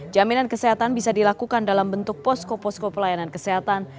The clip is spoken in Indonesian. jaminan kesehatan bisa dilakukan dalam bentuk posko posko pelayanan kesehatan